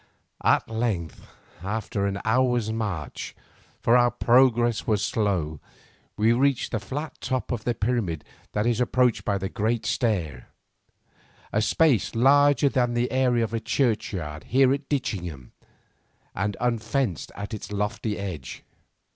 At length after an hour's march, for our progress was slow, we reached the flat top of the pyramid that is approached by a great stair, a space larger than the area of the churchyard here at Ditchingham, and unfenced at its lofty edge.